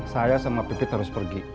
saya sama pipit harus pergi